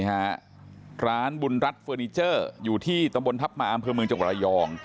ร้านบุญรัฐเฟอร์นิเจอร์อยู่ที่ตำบลทัพมาอำเภอเมืองจังหวัดระยอง